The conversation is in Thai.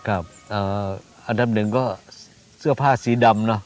อันดับหนึ่งก็เสื้อผ้าสีดำเนอะ